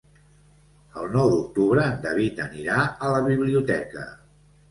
El nou d'octubre en David anirà a la biblioteca.